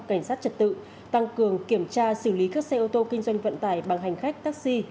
cảnh sát trật tự tăng cường kiểm tra xử lý các xe ô tô kinh doanh vận tải bằng hành khách taxi